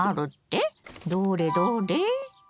どれどれ？